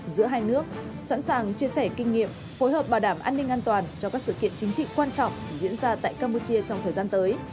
giữa hai nước sẵn sàng chia sẻ kinh nghiệm phối hợp bảo đảm an ninh an toàn cho các sự kiện chính trị quan trọng diễn ra tại campuchia trong thời gian tới